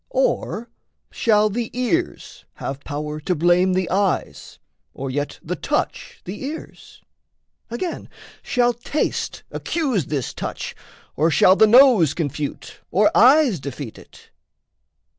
Or shall the ears have power to blame the eyes, Or yet the touch the ears? Again, shall taste Accuse this touch or shall the nose confute Or eyes defeat it?